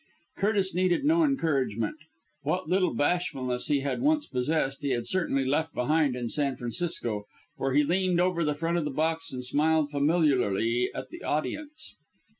Curtis needed no encouragement. What little bashfulness he had once possessed he had certainly left behind in San Francisco, for he leaned over the front of the box and smiled familiarly at the audience.